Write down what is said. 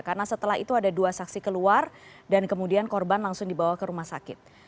karena setelah itu ada dua saksi keluar dan kemudian korban langsung dibawa ke rumah sakit